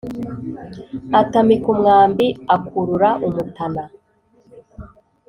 atamika umwambi akurura umutana